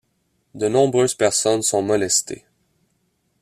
De nombreuses personnes sont molestées.